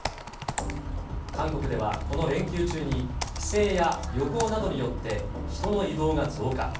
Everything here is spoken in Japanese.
韓国ではこの連休中に、帰省や旅行などによって、人の移動が増加。